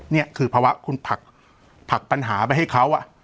เนี้ยคือภาวะคุณผลักผลักปัญหาไปให้เขาอ่ะ